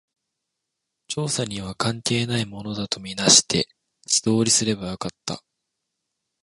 調査には関係ないものだと見なして、素通りすればよかった